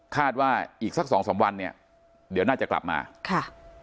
ว่าอีกสักสองสามวันเนี่ยเดี๋ยวน่าจะกลับมาค่ะ